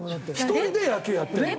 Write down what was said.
１人で野球やってるの。